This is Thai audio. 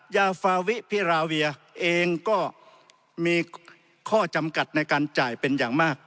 ยาฟาวิพิราเวียเองก็มีข้อจำกัดในการจ่ายเป็นอย่างมาก